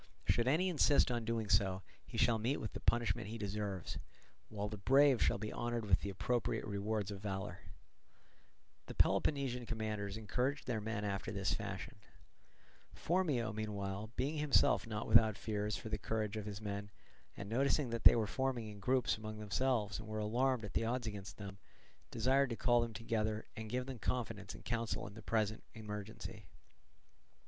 Should any insist on doing so, he shall meet with the punishment he deserves, while the brave shall be honoured with the appropriate rewards of valour." The Peloponnesian commanders encouraged their men after this fashion. Phormio, meanwhile, being himself not without fears for the courage of his men, and noticing that they were forming in groups among themselves and were alarmed at the odds against them, desired to call them together and give them confidence and counsel in the present emergency.